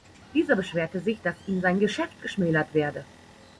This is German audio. Dieser beschwerte sich, dass ihm sein Geschäft geschmälert werde.